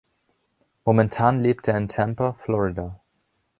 Momentan lebt er in Tampa, Florida.